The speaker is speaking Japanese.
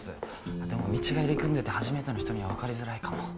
あでも道が入り組んでて初めての人には分かりづらいかも。